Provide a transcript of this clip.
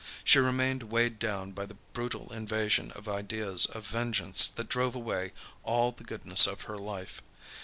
She remained weighed down by the brutal invasion of ideas of vengeance that drove away all the goodness of her life.